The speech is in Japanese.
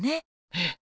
ええ。